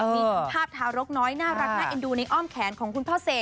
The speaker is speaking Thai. มีภาพทารกน้อยน่ารักน่าเอ็นดูในอ้อมแขนของคุณพ่อเสก